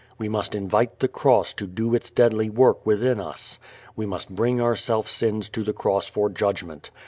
We must invite the cross to do its deadly work within us. We must bring our self sins to the cross for judgment.